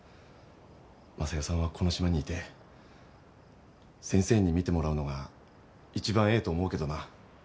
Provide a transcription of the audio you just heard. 昌代さんはこの島にいて先生に診てもらのがいちばんええと思うけどな。